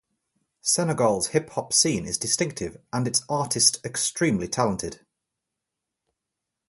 Senegal's hip hop scene is distinctive and its artist extremely talented.